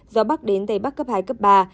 gió bắc đến tây bắc cấp hai cấp ba